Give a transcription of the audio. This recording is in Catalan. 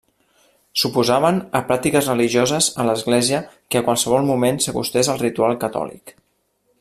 S'oposaven a pràctiques religioses a l'Església que a qualsevol moment s'acostés al ritual catòlic.